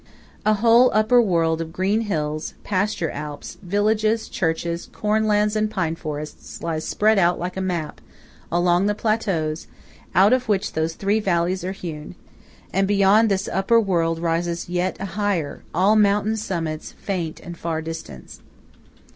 A whole upper world of green hills, pasture alps, villages, churches, corn lands and pine forests, lies spread out like a map along the plateaus out of which those three valleys are hewn; and beyond this upper world rises yet a higher–all mountain summits, faint and far distant.